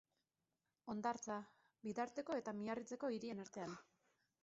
Hondartza, Bidarteko eta Miarritzeko hirien artean.